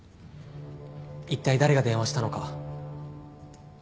いったい誰が電話したのか。